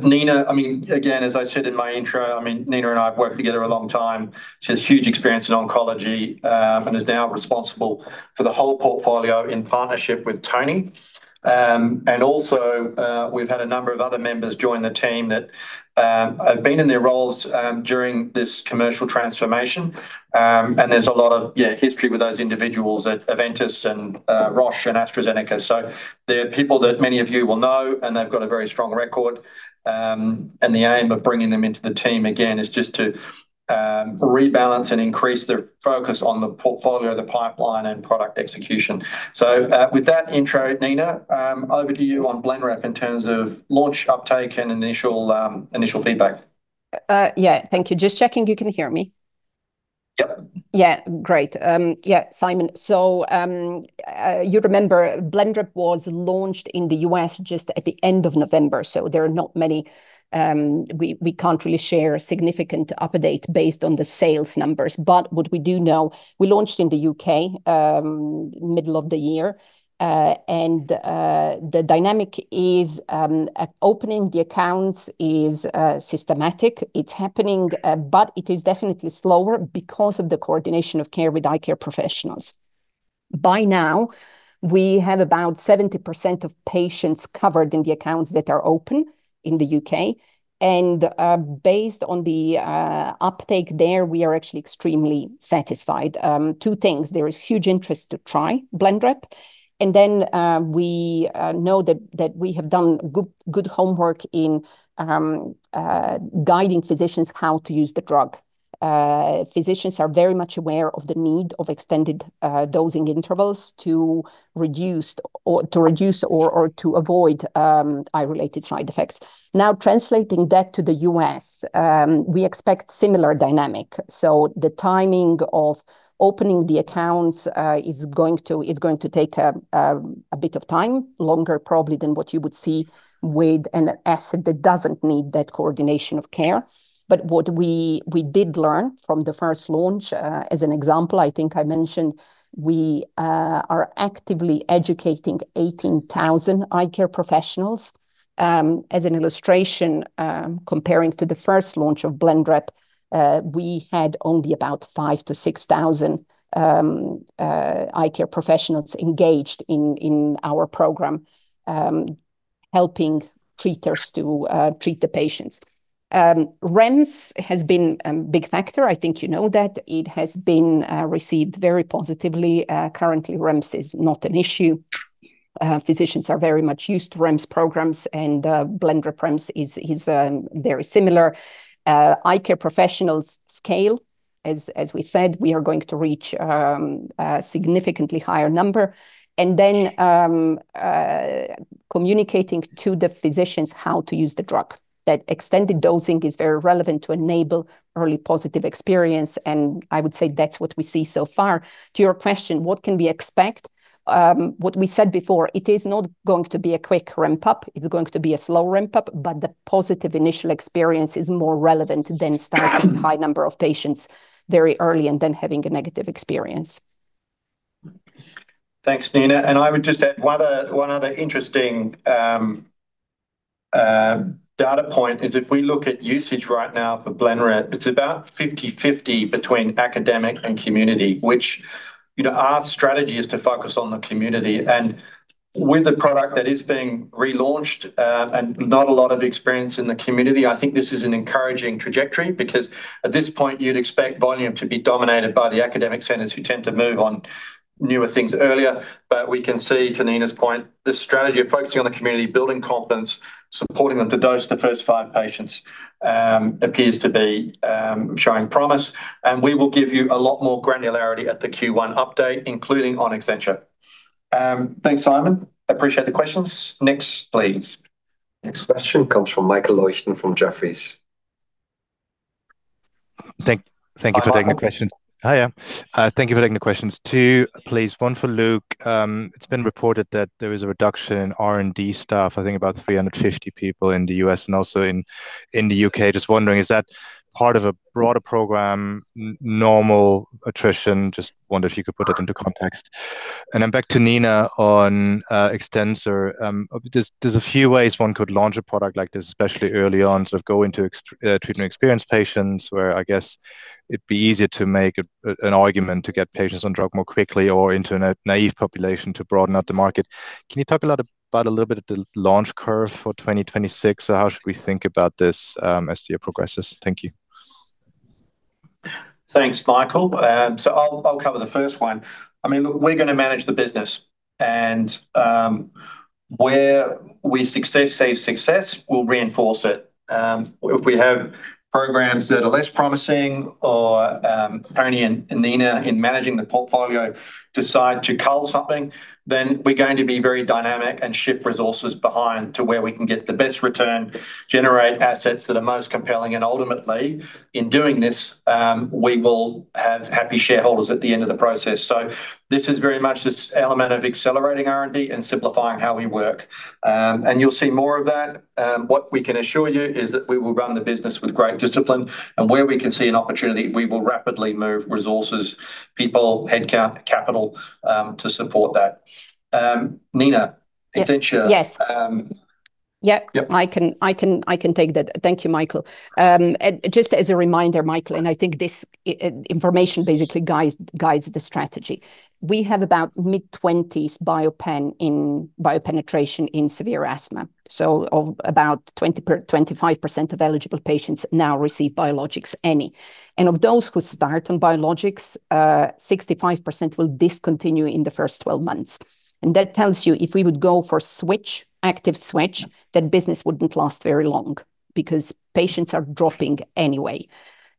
Nina, I mean, again, as I said in my intro, I mean, Nina and I have worked together a long time. She has huge experience in oncology and is now responsible for the whole portfolio in partnership with Tony.... And also, we've had a number of other members join the team that have been in their roles during this commercial transformation. And there's a lot of, yeah, history with those individuals at Aventis and Roche and AstraZeneca. So they're people that many of you will know, and they've got a very strong record. And the aim of bringing them into the team again is just to rebalance and increase their focus on the portfolio, the pipeline, and product execution. So, with that intro, Nina, over to you on Blenrep in terms of launch, uptake, and initial initial feedback. Yeah, thank you. Just checking you can hear me? Yep. Yeah, great. Yeah, Simon, so, you remember Blenrep was launched in the U.S. just at the end of November, so there are not many, we can't really share a significant update based on the sales numbers. But what we do know, we launched in the U.K., middle of the year, and, the dynamic is, opening the accounts is, systematic. It's happening, but it is definitely slower because of the coordination of care with eye care professionals. By now, we have about 70% of patients covered in the accounts that are open in the U.K., and, based on the, uptake there, we are actually extremely satisfied. Two things, there is huge interest to try Blenrep, and then, we know that, that we have done good, good homework in, guiding physicians how to use the drug. Physicians are very much aware of the need of extended, dosing intervals to reduce or to reduce or, or to avoid, eye-related side effects. Now, translating that to the US, we expect similar dynamic. So the timing of opening the accounts, is going to take a, a, a bit of time, longer probably than what you would see with an asset that doesn't need that coordination of care. But what we, we did learn from the first launch, as an example, I think I mentioned we, are actively educating 18,000 eye care professionals. As an illustration, comparing to the first launch of Blenrep, we had only about 5,000-6,000 eye care professionals engaged in our program, helping treaters to treat the patients. REMS has been a big factor. I think you know that. It has been received very positively. Currently, REMS is not an issue. Physicians are very much used to REMS programs, and Blenrep REMS is very similar. Eye care professionals scale, as we said, we are going to reach a significantly higher number, and then communicating to the physicians how to use the drug. That extended dosing is very relevant to enable early positive experience, and I would say that's what we see so far. To your question, what can we expect? What we said before, it is not going to be a quick ramp-up, it's going to be a slow ramp-up, but the positive initial experience is more relevant than starting a high number of patients very early and then having a negative experience. Thanks, Nina. I would just add one other, one other interesting data point: if we look at usage right now for Blenrep, it's about 50/50 between academic and community, which, you know, our strategy is to focus on the community. With a product that is being relaunched and not a lot of experience in the community, I think this is an encouraging trajectory, because at this point, you'd expect volume to be dominated by the academic centers who tend to move on newer things earlier. But we can see, to Nina's point, this strategy of focusing on the community, building confidence, supporting them to dose the first five patients, appears to be showing promise, and we will give you a lot more granularity at the Q1 update, including on depemokimab. Thanks, Simon. I appreciate the questions. Next, please. Next question comes from Michael Leuchten from Jefferies. Thank you for taking the question. Hi, Michael. Hiya. Thank you for taking the questions. Two, please. One for Luke. It's been reported that there is a reduction in R&D staff, I think about 350 people in the U.S. and also in the U.K. Just wondering, is that part of a broader program, normal attrition? Just wonder if you could put it into context. And then back to Nina on Extensa. There's a few ways one could launch a product like this, especially early on, sort of go into experienced patients, where I guess it'd be easier to make an argument to get patients on drug more quickly or into a naive population to broaden out the market. Can you talk a lot about a little bit of the launch curve for 2026? So how should we think about this as the year progresses? Thank you. Thanks, Michael. So I'll cover the first one. I mean, look, we're going to manage the business, and where we see success, we'll reinforce it. If we have programs that are less promising or Tony and Nina, in managing the portfolio, decide to cull something, then we're going to be very dynamic and shift resources behind to where we can get the best return, generate assets that are most compelling, and ultimately, in doing this, we will have happy shareholders at the end of the process. So this is very much this element of accelerating R&D and simplifying how we work. And you'll see more of that. What we can assure you is that we will run the business with great discipline, and where we can see an opportunity, we will rapidly move resources, people, headcount, capital, to support that. Nina, AstraZeneca Yep, I can take that. Thank you, Michael. And just as a reminder, Michael, I think this information basically guides the strategy. We have about mid-twenties biopenetration in severe asthma, so about 25% of eligible patients now receive biologics, any. And of those who start on biologics, 65% will discontinue in the first 12 months. And that tells you if we would go for switch, active switch, that business wouldn't last very long because patients are dropping anyway.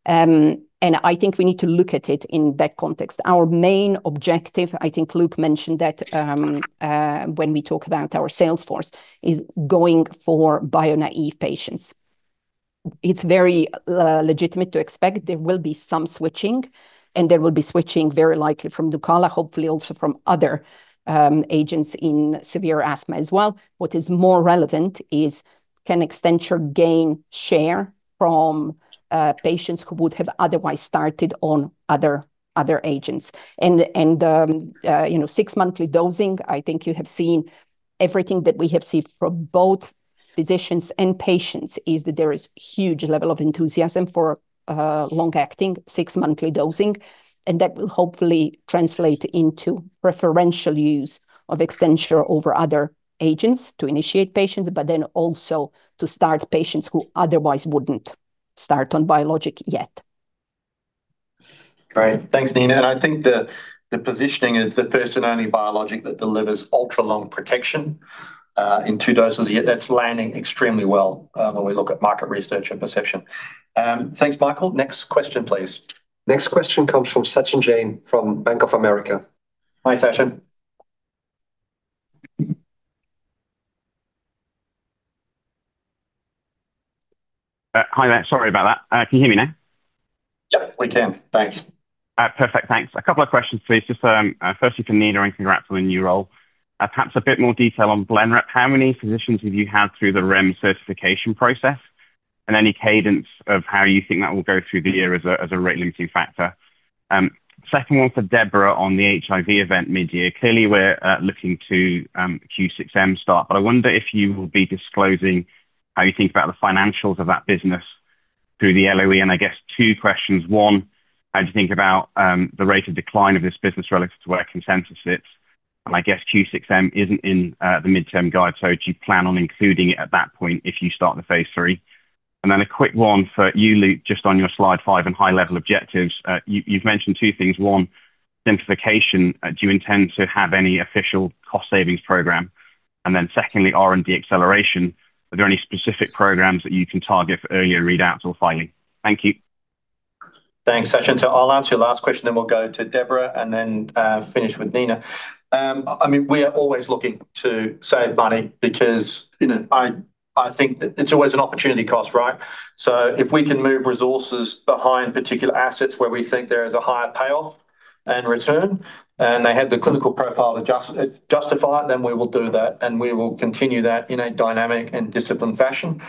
And I think we need to look at it in that context. Our main objective, I think Luke mentioned that, when we talk about our sales force, is going for bio-naive patients. It's very legitimate to expect there will be some switching, and there will be switching very likely from Nucala, hopefully also from other agents in severe asthma as well. What is more relevant is, can Extentia gain share from patients who would have otherwise started on other agents? And you know, six-monthly dosing, I think you have seen everything that we have seen from both physicians and patients, is that there is huge level of enthusiasm for long-acting six-monthly dosing, and that will hopefully translate into referential use of Extentia over other agents to initiate patients, but then also to start patients who otherwise wouldn't start on biologic yet. Great. Thanks, Nina, and I think the positioning is the first and only biologic that delivers ultra-long protection in two doses a year. That's landing extremely well when we look at market research and perception. Thanks, Michael. Next question, please. Next question comes from Sachin Jain, from Bank of America. Hi, Sachin. Hi there. Sorry about that. Can you hear me now? Yep, we can. Thanks. Perfect, thanks. A couple of questions, please. Just, firstly to Nina, congrats on the new role. Perhaps a bit more detail on Blenrep. How many physicians have you had through the REMS certification process, and any cadence of how you think that will go through the year as a rate-limiting factor? Second one for Deborah on the HIV event mid-year. Clearly, we're looking to Q6M start, but I wonder if you will be disclosing how you think about the financials of that business through the LOE. And I guess two questions: One, how do you think about the rate of decline of this business relative to where consensus sits? And I guess Q6M isn't in the midterm guide, so do you plan on including it at that point if you start the phase III? Then a quick one for you, Luke, just on your slide five and high-level objectives. You, you've mentioned two things. One, simplification. Do you intend to have any official cost savings program? And then secondly, R&D acceleration. Are there any specific programs that you can target for earlier readouts or filing? Thank you. Thanks, Sachin. So I'll answer your last question, then we'll go to Deborah, and then, finish with Nina. I mean, we are always looking to save money because, you know, I, I think that it's always an opportunity cost, right? So if we can move resources behind particular assets where we think there is a higher payoff and return, and they have the clinical profile to justify it, then we will do that, and we will continue that in a dynamic and disciplined fashion.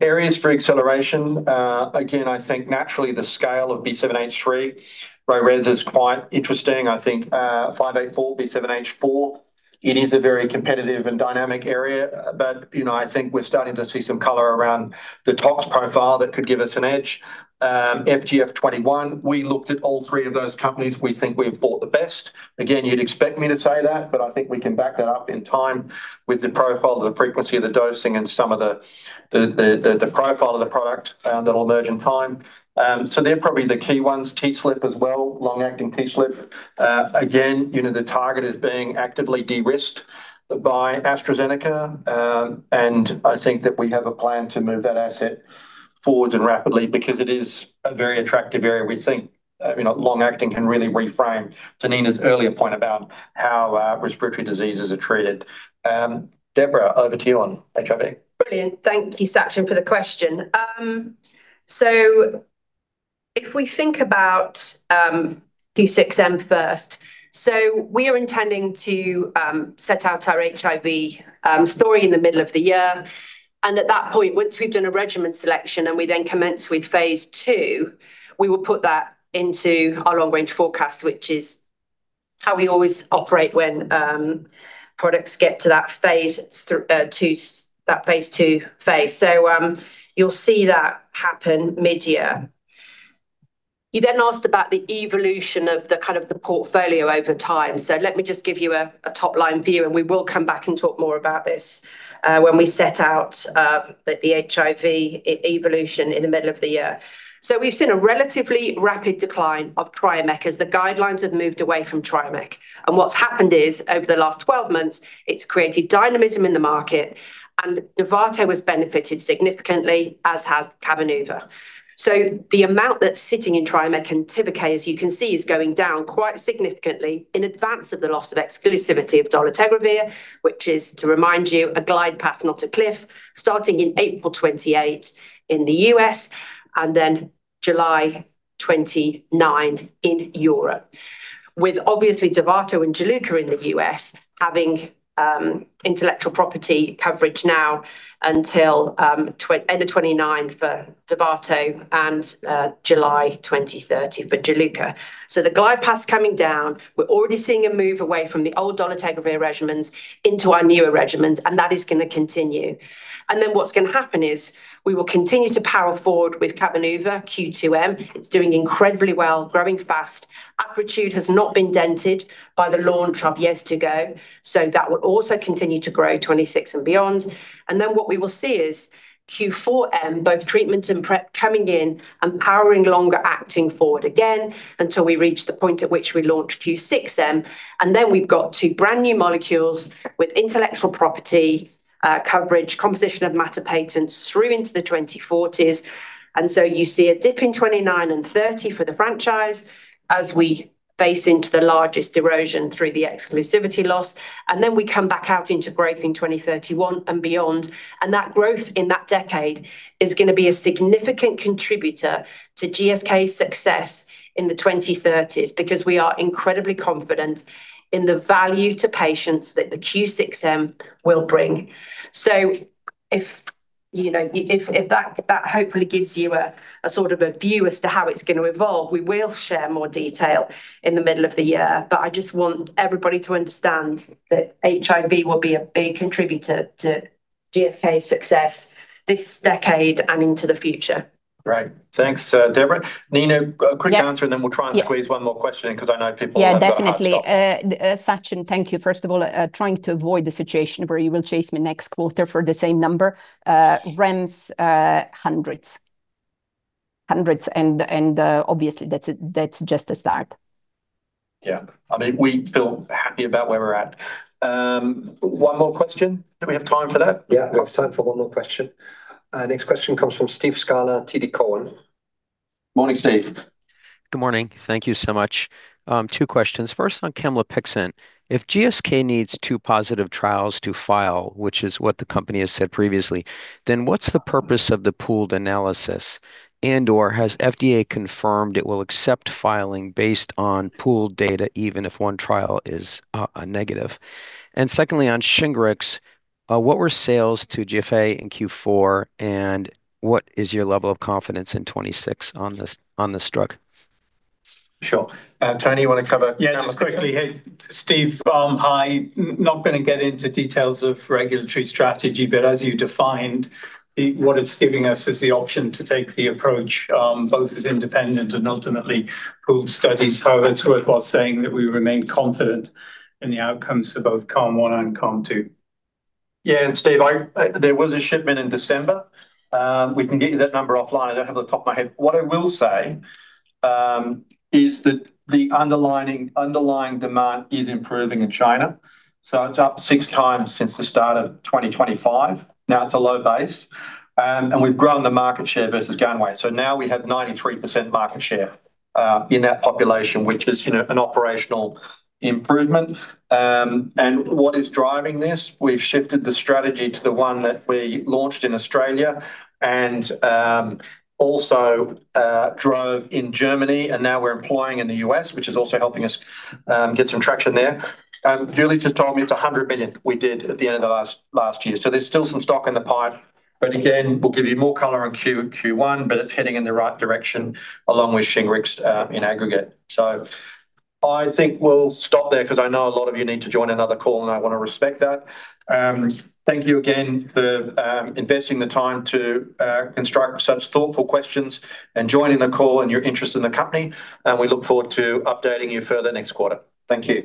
Areas for acceleration, again, I think naturally the scale of B7-H3, Risres, is quite interesting. I think, 584, B7-H4, it is a very competitive and dynamic area, but, you know, I think we're starting to see some color around the tox profile that could give us an edge. FGF21, we looked at all three of those companies. We think we've bought the best. Again, you'd expect me to say that, but I think we can back that up in time with the profile, the frequency of the dosing, and some of the profile of the product that'll emerge in time. So they're probably the key ones. TSLP as well, long-acting TSLP. Again, you know, the target is being actively de-risked by AstraZeneca, and I think that we have a plan to move that asset forward and rapidly because it is a very attractive area. We think, you know, long-acting can really reframe to Nina's earlier point about how respiratory diseases are treated. Deborah, over to you on HIV. Brilliant. Thank you, Sachin, for the question. So if we think about Q6M first, so we are intending to set out our HIV story in the middle of the year. At that point, once we've done a regimen selection and we then commence with Phase II, we will put that into our long-range forecast, which is how we always operate when products get to that Phase two, that Phase II phase. You'll see that happen mid-year. You then asked about the evolution of the kind of the portfolio over time. Let me just give you a top-line view, and we will come back and talk more about this when we set out the HIV evolution in the middle of the year. So we've seen a relatively rapid decline of Triumeq, as the guidelines have moved away from Triumeq. And what's happened is, over the last 12 months, it's created dynamism in the market, and Dovato has benefited significantly, as has Cabenuva. So the amount that's sitting in Triumeq and Tivicay, as you can see, is going down quite significantly in advance of the loss of exclusivity of dolutegravir, which is, to remind you, a glide path, not a cliff, starting in April 2028 in the U.S. and then July 2029 in Europe with obviously Dovato and Juluca in the U.S. having intellectual property coverage now until end of 2029 for Dovato and July 2030 for Juluca. So the glide path's coming down. We're already seeing a move away from the old dolutegravir regimens into our newer regimens, and that is going to continue. And then what's going to happen is, we will continue to power forward with Cabenuva Q2M. It's doing incredibly well, growing fast. Apretude has not been dented by the launch of Sunlenca?, so that will also continue to grow 2026 and beyond. And then what we will see is Q4M, both treatment and PrEP, coming in and powering longer acting forward again until we reach the point at which we launch Q6M, and then we've got two brand-new molecules with intellectual property coverage, composition of matter patents through into the 2040s. You see a dip in 2029 and 2030 for the franchise as we face into the largest erosion through the exclusivity loss, and then we come back out into growth in 2031 and beyond. That growth in that decade is going to be a significant contributor to GSK's success in the 2030s, because we are incredibly confident in the value to patients that the Q6m will bring. So if, you know, if, if that, that hopefully gives you a sort of a view as to how it's going to evolve. We will share more detail in the middle of the year, but I just want everybody to understand that HIV will be a big contributor to GSK's success this decade and into the future. Great. Thanks, Deborah. Nina, a quick answer- Yeah. And then we'll try and squeeze one more question in, because I know people have to stop. Yeah, definitely. Sachin, thank you. First of all, trying to avoid the situation where you will chase me next quarter for the same number. REMS, hundreds. Hundreds, and, and, obviously, that's, that's just a start. Yeah. I mean, we feel happy about where we're at. One more question. Do we have time for that? Yeah, we have time for one more question. Next question comes from Steve Scala, TD Cowen. Morning, Steve. Good morning. Thank you so much. Two questions. First, on Camlipixant. If GSK needs two positive trials to file, which is what the company has said previously, then what's the purpose of the pooled analysis? And/or has FDA confirmed it will accept filing based on pooled data, even if one trial is a negative? And secondly, on Shingrix, what were sales to Zhifei in Q4, and what is your level of confidence in 2026 on this, on this drug? Sure. Tony, you want to cover? Yeah, just quickly, hey, Steve, hi. Not going to get into details of regulatory strategy, but as you defined, what it's giving us is the option to take the approach both as independent and ultimately pooled studies. So it's worthwhile saying that we remain confident in the outcomes for both CAMEO-1 and CAMEO-2. Yeah, and Steve, there was a shipment in December. We can get you that number offline. I don't have it off the top of my head. What I will say is that the underlying demand is improving in China, so it's up six times since the start of 2025. Now, it's a low base, and we've grown the market share versus Ganwei. So now we have 93% market share in that population, which is, you know, an operational improvement. And what is driving this? We've shifted the strategy to the one that we launched in Australia and also drove in Germany, and now we're employing in the U.S., which is also helping us get some traction there. Julie just told me it's 100 million we did at the end of last year. So there's still some stock in the pipe, but again, we'll give you more color on Q1, but it's heading in the right direction, along with Shingrix, in aggregate. So I think we'll stop there, because I know a lot of you need to join another call, and I want to respect that. Thank you again for investing the time to construct such thoughtful questions and joining the call and your interest in the company, and we look forward to updating you further next quarter. Thank you.